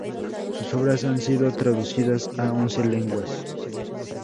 Sus obras han sido traducidas a once lenguas.